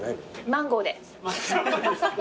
マンゴーで。